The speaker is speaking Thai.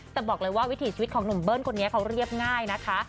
แต่บอกเลยว่าวิถีชีวิตของหนุ่มเบิ้ลคนนี้เขาเรียบง่ายนะคะ